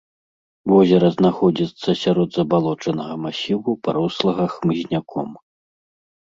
Возера знаходзіцца сярод забалочанага масіву, парослага хмызняком.